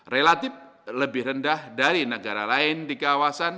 relatif lebih rendah dari negara lain di kawasan